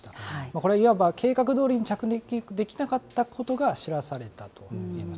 これはいわば、計画どおりに着陸できなかったことが知らされたといえます。